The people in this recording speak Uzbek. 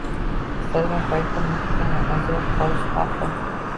istalgan paytda mulkdan ajrab qolish xavfi